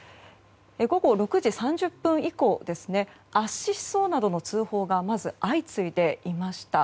午後６時３０分以降圧死しそうなどの通報がまず相次いでいました。